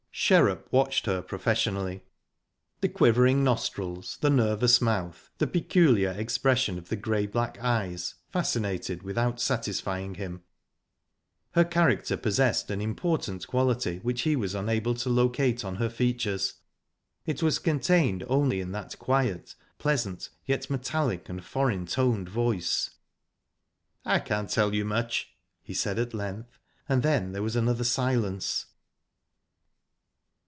Sherrup watched her professionally. The quivering nostrils, the nervous mouth, the peculiar expression of the grey black eyes, fascinated without satisfying him. Her character possessed an important quality which he was unable to locate on her features. It was contained only in that quiet, pleasant, yet metallic and foreign toned voice. "I can't tell you much," he said at length, and then there was another silence.